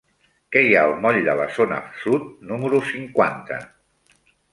Què hi ha al moll de la Zona Sud número cinquanta?